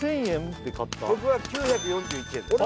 僕は９４１円です